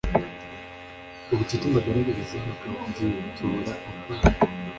ubucuti mbagaragariza bakabwitura urwango